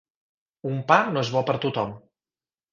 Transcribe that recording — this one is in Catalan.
Un pa no és bo per tothom.